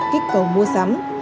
kích cầu mua sắm